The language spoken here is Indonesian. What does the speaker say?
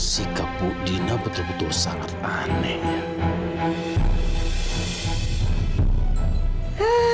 sikap bu dina betul betul sangat aneh ya